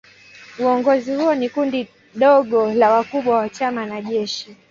Uongozi huo ni kundi dogo la wakubwa wa chama na jeshi.